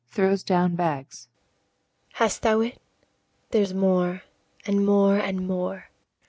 [throws down bags] Hast thou't? There's more, and more, and more.